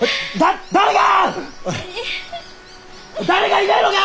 誰かいないのか！？